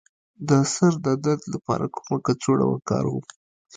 د سر د درد لپاره کومه کڅوړه وکاروم؟